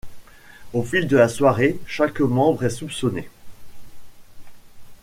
Au fil de la soirée, chaque membre est soupçonné.